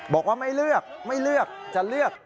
บอกว่าไม่เลือกไม่เลือกจะเลือก